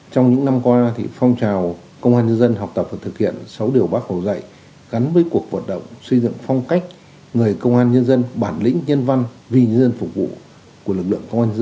trong những năm qua phong trào công an nhân dân học tập và thực hiện sáu điều bác hồ dạy gắn với cuộc vận động xây dựng phong cách người công an nhân dân bản lĩnh nhân văn vì nhân dân phục vụ của lực lượng công an nhân dân